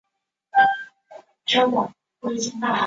按饭馔多少分为三道至朝鲜宫廷料理的十二道。